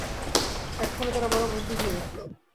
এক্ষণে তারা বড় বন্ধু হয়ে উঠল।